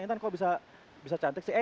intan kok bisa cantik sih eh